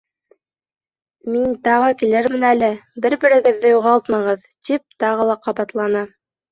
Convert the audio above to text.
Мин тағы килермен әле, бер-берегеҙҙе юғалтмағыҙ, тип тағы ла ҡабатланы.